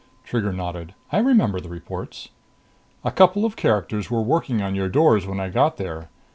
Trigger nodded. "I remember the reports." "A couple of characters were working on your doors when I got there.